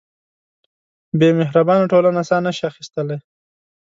بېمهربانۍ ټولنه ساه نهشي اخیستلی.